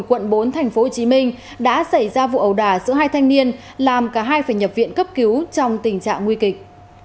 quận bốn tp hcm đã xảy ra vụ ẩu đả giữa hai thanh niên làm cả hai phải nhập viện cấp cứu trong tình trạng nguy kịch